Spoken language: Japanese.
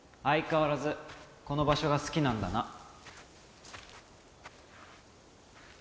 相変わらずこの場所が好きなんだな。